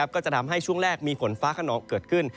ก็จะทำให้ช่วงแรกมีฝนฟ้าขนองเกิดขึ้น